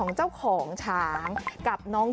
น่ารัก